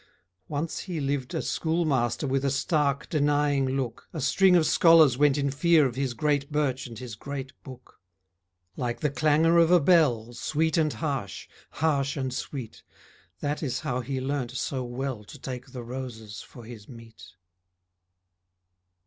Once he lived a schoolmaster With a stark, denying look, A string of scholars went in fear Of his great birch and his great book. Like the clangour of a bell, Sweet and harsh, harsh and sweet, That is how he learnt so well To take the roses for his meat.